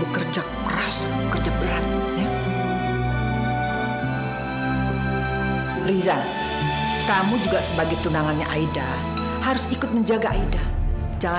bekerja keras kerja berat ya rizal kamu juga sebagai tunangannya aida harus ikut menjaga aida jangan